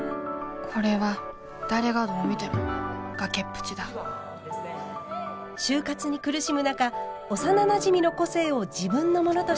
これは誰がどう見ても崖っぷちだ就活に苦しむ中幼なじみの個性を自分のものとして偽った主人公。